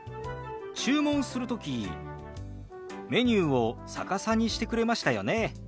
注文する時メニューを逆さにしてくれましたよね。